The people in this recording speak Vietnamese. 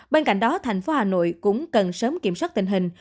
bên cạnh đó thành phố hà nội cũng cần sớm kiểm soát tình hình